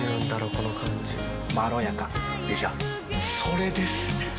この感じまろやかでしょそれです！